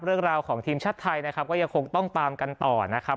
เรื่องราวของทีมชาติไทยนะครับก็ยังคงต้องตามกันต่อนะครับ